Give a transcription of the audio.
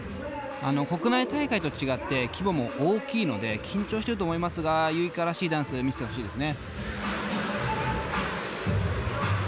国内大会と違って規模も大きいので緊張してると思いますがＹｕｉｋａらしいダンスを見せてほしいですね。